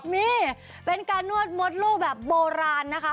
นี่เป็นการนวดมดลูกแบบโบราณนะคะ